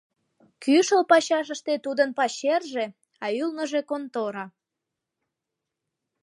Кӱшыл пачашыште тудын пачерже, а ӱлныжӧ контора.